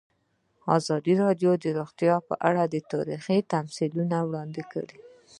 ازادي راډیو د روغتیا په اړه تاریخي تمثیلونه وړاندې کړي.